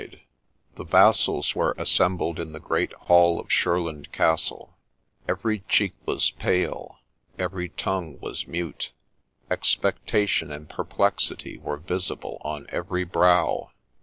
A LEGEND OF SHEPPE1 43 The vassals were assembled in the great hall of Shurland Castle ; every cheek was pale, every tongue was mute : expecta tion and perplexity were visible on every brow.